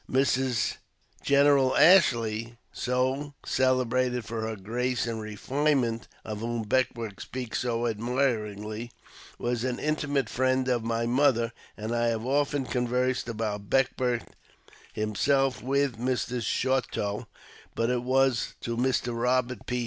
Mrs. General Ashley, so celebrated for her grace and refinement — of whom Beckwourth speaks so admiringly — was an intimate friend of my mother, and I have often conversed about Beckwourth himself with Mr. Chouteau. But it was to Mr. Eobert P.